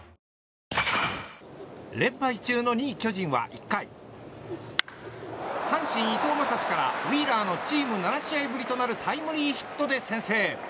連敗中の２位巨人は１回阪神、伊藤将司からウィーラーのチーム７試合ぶりとなるタイムリーヒットで先制。